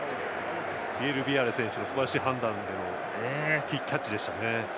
ビエルビアレ選手のすばらしい判断でのキャッチでしたね。